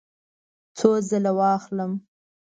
څو ځله واخلم؟